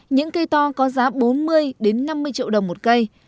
những cây to có giá bốn mươi năm mươi triệu đồng một cây